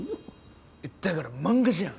だから漫画じゃん！